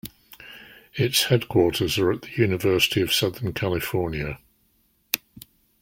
Its headquarters are at the University of Southern California.